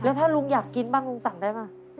แล้วถ้าลูกอยากกินบ้างลูกสั่งได้ไหม